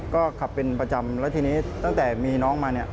ก็ขับเป็นประจำแล้วทีนี้ตั้งแต่มีน้องมาเนี่ย